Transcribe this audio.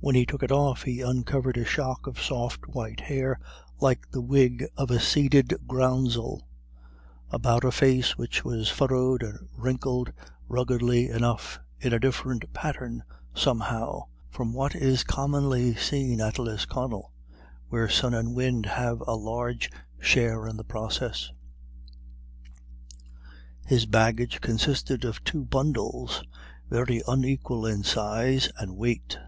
When he took it off he uncovered a shock of soft white hair, like the wig of a seeded groundsel, about a face which was furrowed and wrinkled ruggedly enough, in a different pattern somehow from what is commonly seen at Lisconnel, where sun and wind have a large share in the process. His baggage consisted of two bundles, very unequal in size and weight.